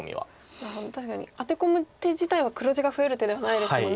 確かにアテ込む手自体は黒地が増える手ではないですもんね。